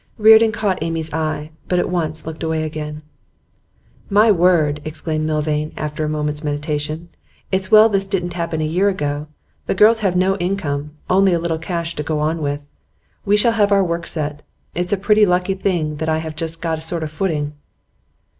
Reardon caught Amy's eye, but at once looked away again. 'My word!' exclaimed Milvain, after a moment's meditation. 'It's well this didn't happen a year ago. The girls have no income; only a little cash to go on with. We shall have our work set. It's a precious lucky thing that I have just got a sort of footing.